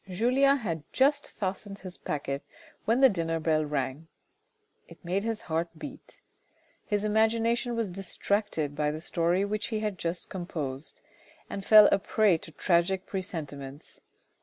Julien had just fastened his packet when the dinner bell rang. It made his heart beat. His imagination was distracted by the story which he had just composed, and fell a prey to tragic presentiments.